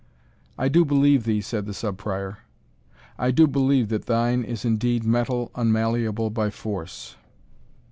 "I do believe thee," said the Sub Prior, "I do believe that thine is indeed metal unmalleable by force.